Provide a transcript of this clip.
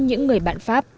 những người bạn pháp